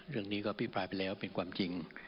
เรื่องนี้ก็พิปรายไปแล้วเป็นความจริง